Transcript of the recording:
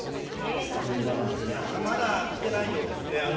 まだ来ていないようですね。